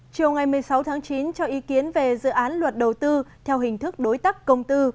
chiều ngày một mươi sáu tháng chín cho ý kiến về dự án luật đầu tư theo hình thức đối tác công tư